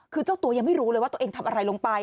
คือเจ้าตัวยังไม่รู้เลยว่าตัวเองทำอะไรลงไป